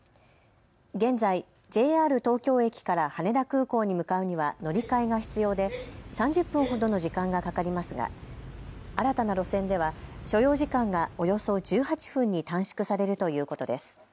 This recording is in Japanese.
現在、ＪＲ東京駅から羽田空港に向かうには乗り換えが必要で３０分ほどの時間がかかりますが新たな路線では所要時間がおよそ１８分に短縮されるということです。